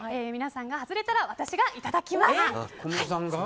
皆さんが外れたら私がいただきます。